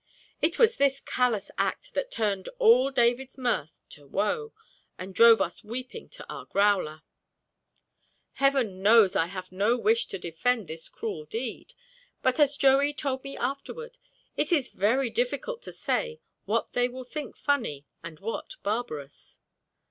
It was this callous act that turned all David's mirth to woe, and drove us weeping to our growler. Heaven knows I have no wish to defend this cruel deed, but as Joey told me afterward, it is very difficult to say what they will think funny and what barbarous.